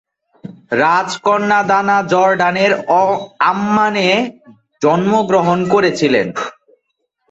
রাজকন্যা দানা জর্ডানের আম্মানে জন্মগ্রহণ করেছিলেন।